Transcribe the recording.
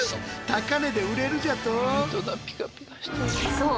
そう！